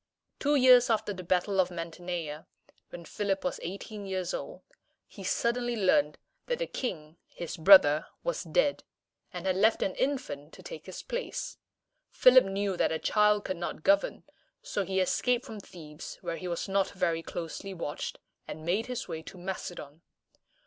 Two years after the battle of Mantinea, when Philip was eighteen years old, he suddenly learned that the king, his brother, was dead, and had left an infant to take his place. Philip knew that a child could not govern: so he escaped from Thebes, where he was not very closely watched, and made his way to Macedon.